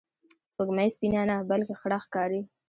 سپوږمۍ سپینه نه، بلکې خړه ښکاري